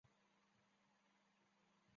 安徽歙县人。